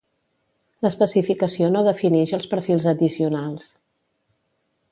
L'especificació no definix els perfils addicionals.